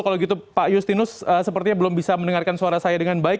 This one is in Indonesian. kalau gitu pak justinus sepertinya belum bisa mendengarkan suara saya dengan baik